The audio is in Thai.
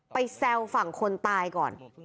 แซวฝั่งคนตายก่อน